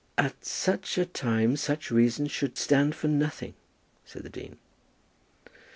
"At such a time such reasons should stand for nothing," said the dean.